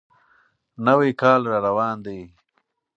نوی کال را روان دی.